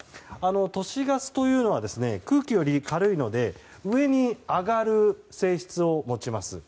都市ガスというのは空気より軽いので上に上がる性質を持ちます。